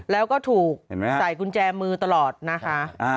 แล้วก็ถูกใส่กุญแจมือตลอดนะคะ